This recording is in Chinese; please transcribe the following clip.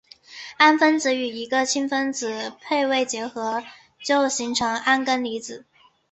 氨分子与一个氢离子配位结合就形成铵根离子。